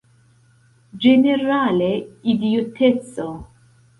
Ĝenerale, idioteco!